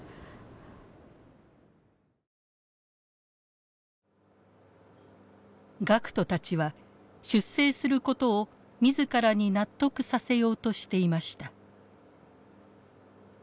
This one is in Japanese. だからこういった学徒たちは出征することを自らに納得させようとしていました。